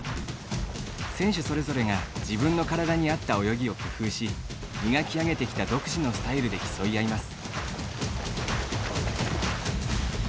選手それぞれが自分の体にあった泳ぎを工夫し磨き上げてきた独自のスタイルで競い合います。